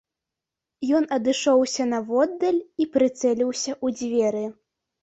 Ён адышоўся наводдаль і прыцэліўся ў дзверы.